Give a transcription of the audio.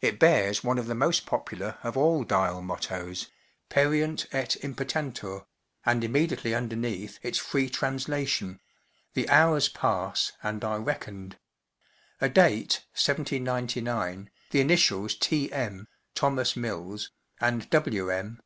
It bears one of the most popular of all dial mottoes, 11 Pereunt et im¬ putantur, and immediately underneath its free translation, “ The hours pass and are reckoned,” A date, 1799, the initials T. M. (Thomas Mills) and W. M.